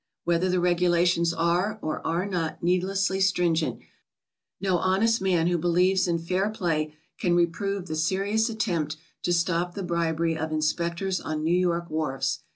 Whether the regulations are or are not need lessly stringent, no honest man who believes in fair play can reprove the serious attempt to stop the bribery of inspectors on New York Wharves.